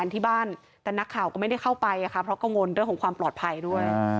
ที่บ้านแต่นักข่าวก็ไม่ได้เข้าไปค่ะเพราะกังวลเรื่องของความปลอดภัยด้วย